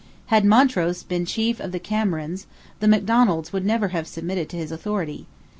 Had Montrose been chief of the Camerons, the Macdonalds would never have submitted to his authority.